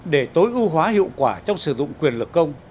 để tối ưu hóa hiệu quả trong sử dụng quyền lực công